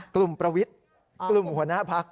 กลุ่มประวิทกลุ่มหัวหน้าพลักษณ์